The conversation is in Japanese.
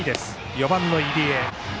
４番の入江。